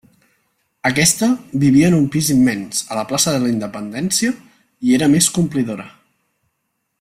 Aquesta vivia en un pis immens, a la plaça de la Independència i era més complidora.